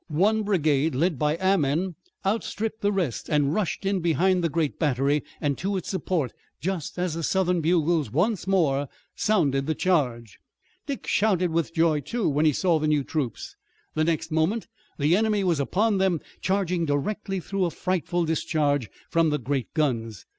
One brigade led by Ammen outstripped the rest, and rushed in behind the great battery and to its support, just as the Southern bugles once more sounded the charge. Dick shouted with joy, too, when he saw the new troops. The next moment the enemy was upon them, charging directly through a frightful discharge from the great guns.